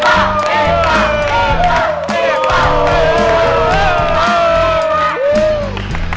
tepuk tangan lagi dong